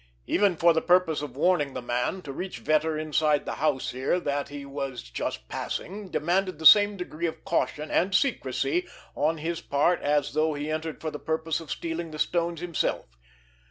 Even for the purpose of warning the man, to reach Vetter inside this house here, that he was just passing, demanded the same degree of caution and secrecy on his part as though he entered for the purpose of stealing the stones himself.